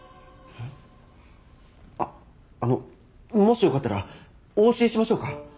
えっあのもしよかったらお教えしましょうか？